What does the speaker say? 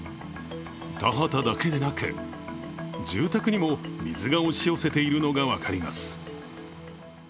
田畑だけでなく、住宅にも水が押し寄せているのが分かります。